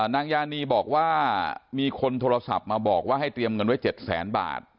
นางยานีบอกว่ามีคนโทรศัพท์มาบอกว่าให้เตรียมเงินไว้๗แสนบาท